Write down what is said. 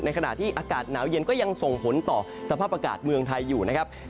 ขณะที่อากาศหนาวเย็นก็ยังส่งผลต่อสภาพอากาศเมืองไทยอยู่นะครับ